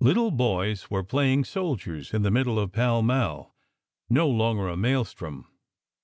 Little boys were playing soldiers in the middle of Pall Mall, no longer a maelstrom.